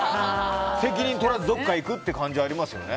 責任取らずどこかに行く感じがありますよね。